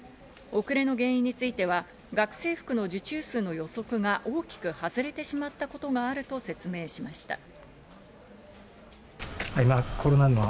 遅れの原因については学生服の受注数の予測が大きく外れてしまったことがあると説明しました。